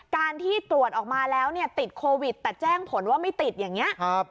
การที่ตรวจออกมาแล้วเนี่ยติดโควิดแต่แจ้งผลว่าไม่ติดอย่างนี้